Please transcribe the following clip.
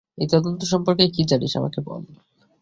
এই তদন্ত সম্পর্কে কী জানিস আমাকে বল।